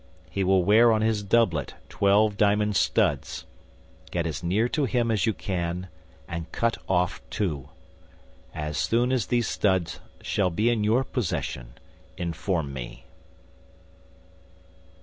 He will wear on his doublet twelve diamond studs; get as near to him as you can, and cut off two. As soon as these studs shall be in your possession, inform me.